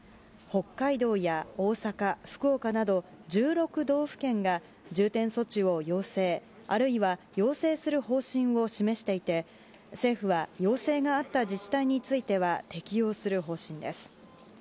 北海道や大阪、福岡など１６道府県が重点措置を要請、あるいは要請する方針を示していて政府は要請があった自治体については適用する方向です。